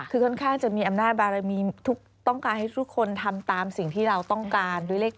คือค่อนข้างจะมีอำนาจบารมีต้องการให้ทุกคนทำตามสิ่งที่เราต้องการด้วยเลข๗